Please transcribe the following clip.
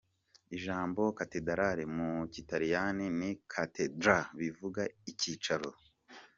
Ijambo Cathedrale mu kilatini ni cathedra bivuga ‘icyicaro’.